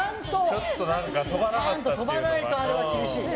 ちゃんと飛ばないとあれは厳しいね。